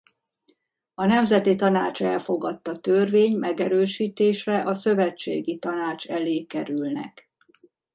A Nemzeti Tanács elfogadta törvény megerősítésre a Szövetségi Tanács elé kerülnek.